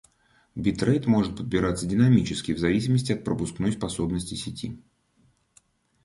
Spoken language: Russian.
Битрейт может подбираться динамически в зависимости от пропускной способности сети